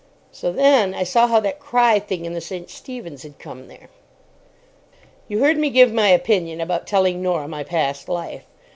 So then I saw how that "Cry" thing in the St. Stephen's had come there. You heard me give my opinion about telling Norah my past life.